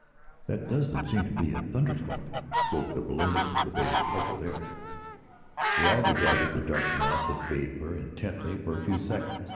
"That doesn't seem to be a thunder storm," spoke the balloonist, with a puzzled air. They all regarded the dark mass of vapor intently for a few seconds.